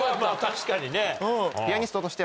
確かにね。